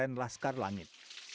pesantren laskar langit